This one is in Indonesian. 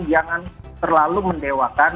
jangan terlalu mendewakan